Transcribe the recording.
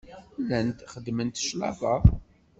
Llan xeddment claṭa.